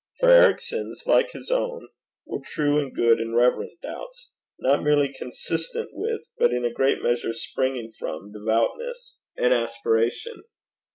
For Ericson's, like his own, were true and good and reverent doubts, not merely consistent with but in a great measure springing from devoutness and aspiration.